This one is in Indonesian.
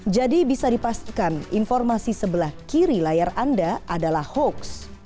jadi bisa dipastikan informasi sebelah kiri layar anda adalah hoax